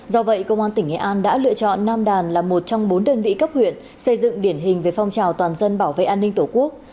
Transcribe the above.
do vậy công an tỉnh nghệ an đã lựa chọn nam đàn là một trong bốn đơn vị cấp huyện xây dựng điển hình về phong trào toàn dân bảo vệ an ninh tổ quốc